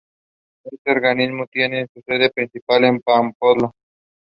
Sprung joined then Friedrich Krupp in Essen as assistant director.